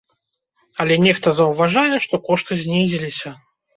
Але нехта заўважае, што кошты знізіліся.